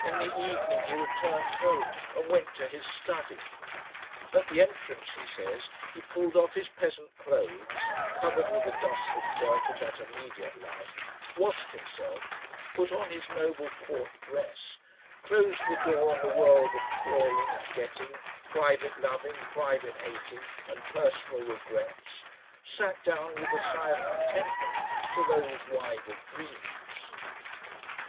In the evening he returned home and went to his study. At the entrance, he says, he pulled off his peasant clothes covered with the dust and dirt of that immediate life, washed himself, put on his "noble court dress," closed the door on the world of toiling and getting, private loving, private hating and personal regrets, sat down with a sigh of contentment to those wider dreams.